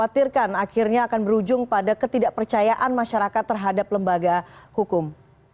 dikhawatirkan akhirnya akan berujung pada ketidakpercayaan masyarakat terhadap lembaga hukum